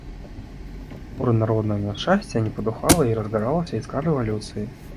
У моры народнага няшчасця не патухала і разгаралася іскра рэвалюцыі.